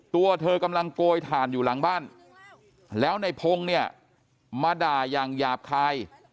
ตัวเธอกำลังโกยถ่านอยู่หลังบ้านแล้วในพงศ์เนี่ยมาด่าอย่างหยาบคาย